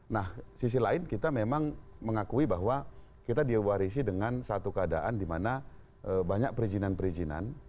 nah sisi lain kita memang mengakui bahwa kita diwarisi dengan satu keadaan di mana banyak perizinan perizinan